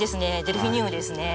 デルフィニウムですね。